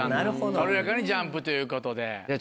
軽やかにジャンプということで。